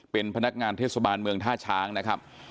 เป็นพนักงานเทศบาลเมืองท่าช้างนะครับ